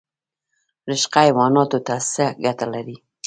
رشقه حیواناتو ته څه ګټه لري؟